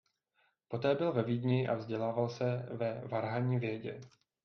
Poté byl ve Vídni a vzdělával se ve varhanní vědě.